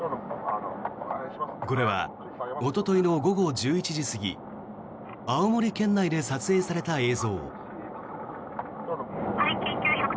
これはおとといの午後１１時過ぎ青森県内で撮影された映像。